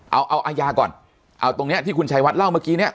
เอาเอาอาญาก่อนเอาตรงเนี้ยที่คุณชัยวัดเล่าเมื่อกี้เนี่ย